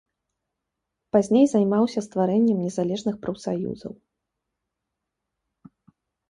Пазней займаўся стварэннем незалежных прафсаюзаў.